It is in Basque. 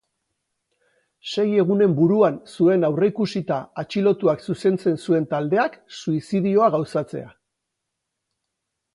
Sei egunen buruan zuen aurreikusita atxilotuak zuzentzen zuen taldeak suizidioa gauzatzea.